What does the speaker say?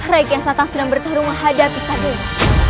rai kiasan tak sedang bertarung menghadapi sadera